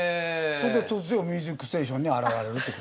それで突如『ミュージックステーション』に現れると。